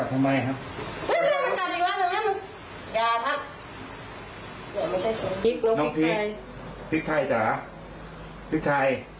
น้องภิกรภิกรไทยจ้ะ